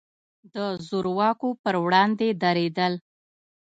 د زور واکو پر وړاندې درېدل.